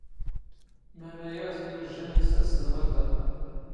ⵎⴰⵏ ⴰⵢⴰ ⴰⴷ ⴽ ⵢⵓⵊⵊⴰⵏ ⴰⴷ ⴷ ⵜⴰⵙⴷ ⵖⵔ ⴷⴰ.